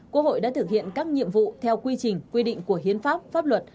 quốc hội đã thực hiện các nhiệm vụ theo quy trình quy định của hiến pháp pháp luật